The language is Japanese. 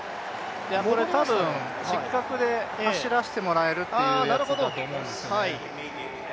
失格で走らせてもらえるというやつだと思うんですよね。